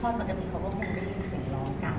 เพราะปกติถ้าพ่อปกติเขาก็คงได้ยินเสียงร้องกัน